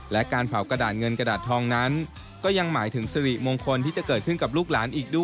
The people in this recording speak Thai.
และการเผากระดาษเงินกระดาษทองนั้นก็ยังหมายถึงสิริมงคลที่จะเกิดขึ้นกับลูกหลานอีกด้วย